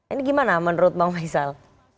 ini gimana menurut bang faisal